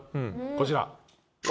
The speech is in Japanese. こちら。